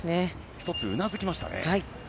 １つうなずきましたね。